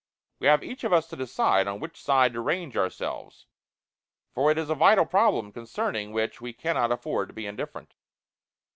We have each of us to decide on which side to range ourselves. For it is a vital problem concerning which we cannot afford to be indifferent.